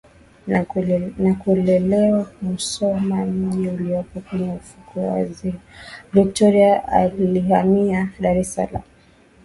na kulelewa Musoma mji uliopo kwenye ufukwe wa Ziwa Victoria Alihamia Dar es salaam